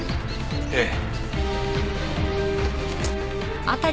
ええ。